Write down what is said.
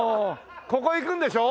ここ行くんでしょ？